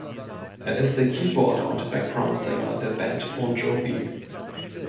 Er ist der Keyboarder und Backgroundsänger der Band Bon Jovi.